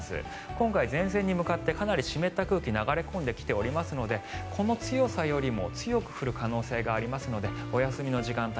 今回、前線に向かってかなり湿った空気が流れ込んできていますのでこの強さよりも強く降る可能性があるのでお休みの時間帯